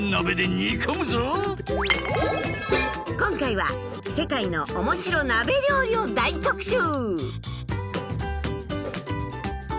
今回は「世界のおもしろなべ料理」を大特集！